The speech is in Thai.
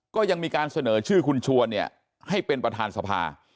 ก็ยังมีการเสนอชื่อคุณชวนเนี่ยให้เป็นประธานสภา